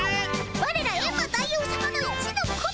ワレらエンマ大王さまの一の子分！